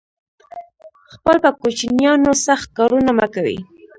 خپل په کوچینیانو سخت کارونه مه کوی